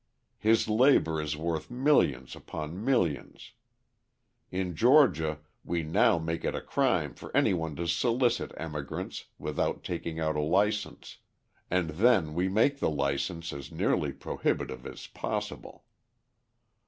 His labour is worth millions upon millions. In Georgia we now make it a crime for anyone to solicit emigrants without taking out a licence, and then we make the licence as nearly prohibitive as possible.